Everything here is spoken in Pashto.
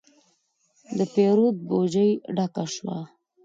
د پیرود بوجي ډکه شوه.